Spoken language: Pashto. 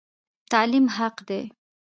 تعلیم حق دی